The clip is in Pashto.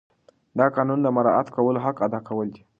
د قانون مراعات کول د حق ادا کول دي.